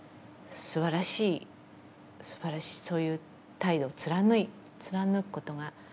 すばらしいすばらしいそういう態度を貫くことができたじゃない。